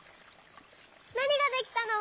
なにができたの？